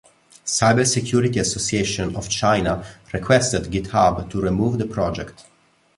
Cyber Security Association of China requested GitHub to remove the project.